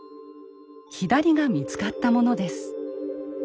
左が見つかったものです。